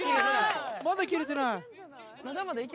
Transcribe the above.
まだ切れてない。